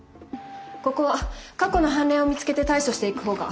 ここは過去の判例を見つけて対処していく方が。